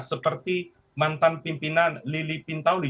seperti mantan pimpinan lili pintauli